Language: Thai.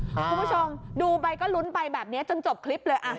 คุณผู้ชมดูไปก็ลุ้นไปแบบนี้จนจบคลิปเลย